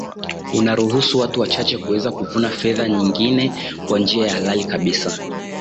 unaruhusu watu wachache kuweza kuvuna fedha nyengine kwa njia ya halali kabisa